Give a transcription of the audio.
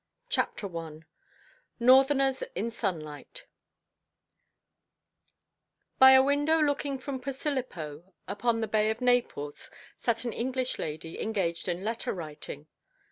CHAPTER I NORTHERNERS IN SUNLIGHT By a window looking from Posillipo upon the Bay of Naples sat an English lady, engaged in letter writing.